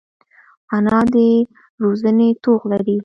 انا د روزنې توغ لري